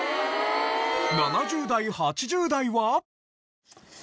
７０代８０代は。